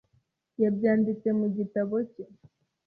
Yabyanditse mu gitabo cye.